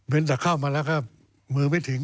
เป็นแต่เข้ามาแล้วก็มือไม่ถึง